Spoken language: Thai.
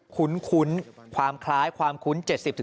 คุ้นความคล้ายความคุ้น๗๐